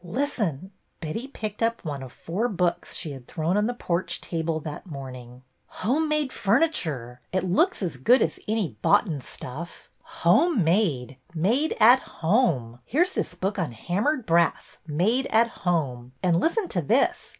Listen !" Betty picked up one of four books she had thrown on the porch table that morning. ''Home made furniture! It looks as good as UNCLE" GOLDSTEIN 169 any ' boughten ' stufif. Home made ! Made at Home ! Here 's this book on Hammered Brass Made at Home! And listen to this.